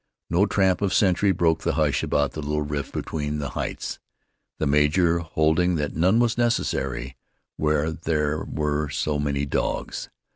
No tramp of sentry broke the hush about the little rift between the heights the major holding that none was necessary where there were so many dogs.